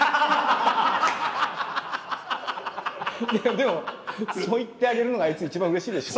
でもそう言ってあげるのがあいつ一番うれしいでしょ。